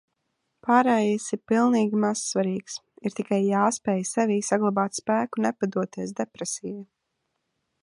Pārējais ir pilnīgi mazsvarīgs, ir tikai jāspēj sevī saglabāt spēku nepadoties depresijai.